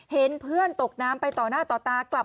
เห็นเพื่อนตกน้ำไปต่อหน้าต่อตากลับ